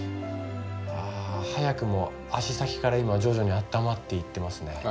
あ早くも足先から今徐々にあったまっていってますね。